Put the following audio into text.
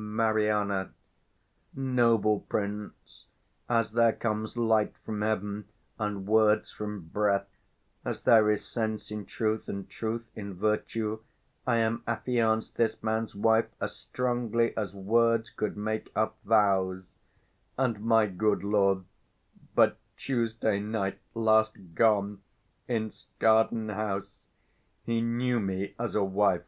Mari. Noble prince, As there comes light from heaven and words from breath, As there is sense in truth and truth in virtue, I am affianced this man's wife as strongly 225 As words could make up vows: and, my good lord, But Tuesday night last gone in's garden house He knew me as a wife.